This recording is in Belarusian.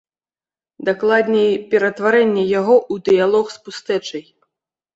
Дакладней, ператварэнне яго ў дыялог з пустэчай.